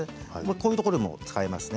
こういうところも使いますね。